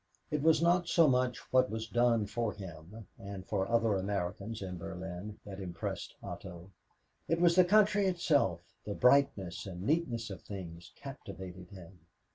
It was not so much what was done for him and for other Americans in Berlin that impressed Otto. It was the country itself the brightness and neatness of things captivated him.